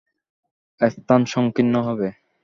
স্থান সংকীর্ণ হবে।